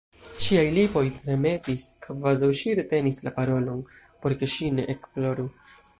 Ŝiaj lipoj tremetis, kvazaŭ ŝi retenis la parolon, por ke ŝi ne ekploru.